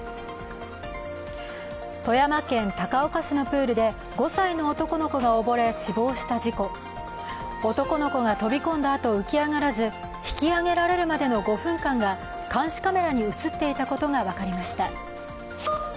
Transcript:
富山県高岡市のプールで５歳の男の子が溺れ死亡した事故男の子が飛び込んだあと浮き上がらず引き上げられるまでの５分間が監視カメラに映っていたことが分かりました。